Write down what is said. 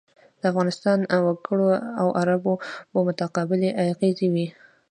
د افغانستان وګړو او عربو متقابلې اغېزې وې.